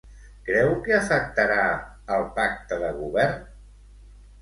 Creu que afectarà el pacte de Govern?